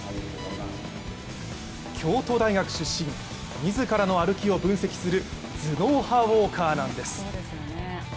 京都大学出身、自らの歩きを分析する頭脳派ウォーカーなんです。